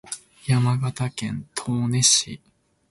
山形県東根市